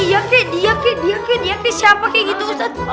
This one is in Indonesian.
dia kek dia kek dia kek dia kek siapa kek gitu ustadz